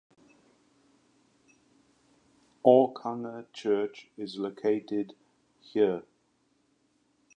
Orkanger Church is located here.